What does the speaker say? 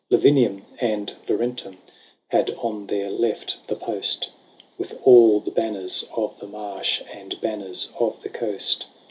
XII. Lavinium and Laurentum Had on the left their post, With all the banners of the marsh, And banners of the coast.